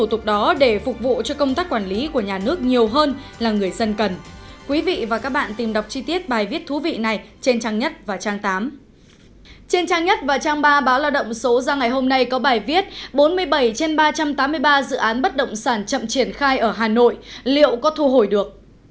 bốn mươi bảy trên ba trăm tám mươi ba dự án bất động sản chậm triển khai ở hà nội liệu có thu hồi được